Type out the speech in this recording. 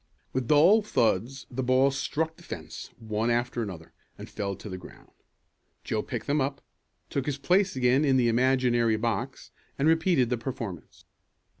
With dull thuds the balls struck the fence, one after the other, and fell to the ground. Joe picked them up, took his place again in the imaginary box, and repeated the performance.